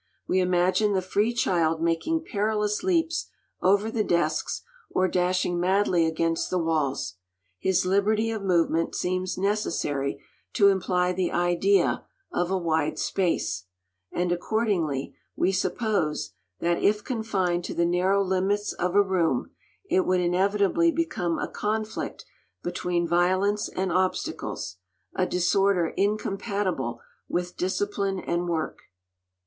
We imagine the free child making perilous leaps over the desks, or dashing madly against the walls; his "liberty of movement" seems necessarily to imply the idea of "a wide space," and accordingly we suppose that, if confined to the narrow limits of a room, it would inevitably become a conflict between violence and obstacles, a disorder incompatible with discipline and work.